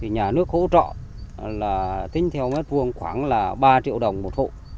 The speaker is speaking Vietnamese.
nhà nước hỗ trợ là tính theo mét vuông khoảng ba triệu đồng một hộ